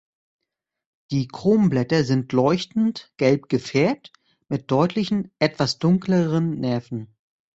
Die Kronblätter sind leuchtend gelb gefärbt, mit deutlichen, etwas dunkleren Nerven.